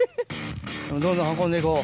⁉どんどん運んでいこう。